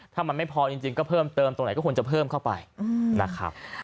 ถ้ามันไม่พอจริงก็เพิ่มเติมตรงไหนก็ควรจะเพิ่มเข้าไปนะครับ